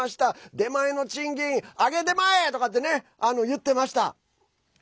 出前の賃金上げデマエ！とかって言ってました。